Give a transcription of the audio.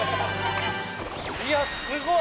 いやすごい！